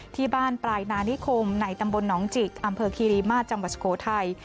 ที่บ้านปลายนานิคมในตำบลหนองจิกอำเภอคีรีมาตรจังหวัดสุโขทัย